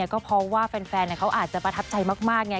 ก็เพราะว่าแฟนเขาอาจจะประทับใจมากไง